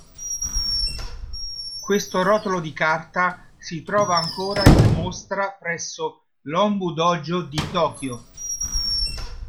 Questo rotolo di carta si trova ancora in mostra presso l'Honbu Dojo di Tokyo.